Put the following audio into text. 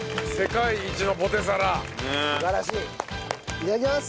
いただきます！